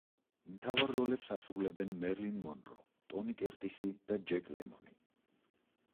მთავარ როლებს ასრულებენ მერილინ მონრო, ტონი კერტისი და ჯეკ ლემონი.